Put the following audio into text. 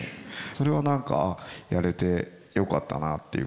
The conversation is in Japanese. それは何かああやれてよかったなっていうか